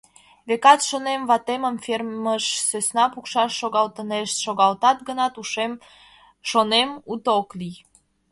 Векат, шонем, ватемым фермыш сӧсна пукшаш шогалтынешт, шогалтат гынат, шонем, уто ок лий.